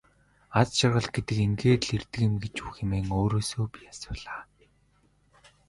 Аз жаргал гэдэг ингээд л ирдэг юм гэж үү хэмээн өөрөөсөө би асуулаа.